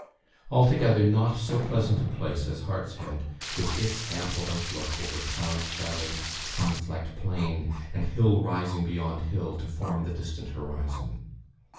Altogether not so pleasant a place as Hartshead, with its ample outlook over cloud shadowed, sun flecked plain, and hill rising beyond hill to form the distant horizon.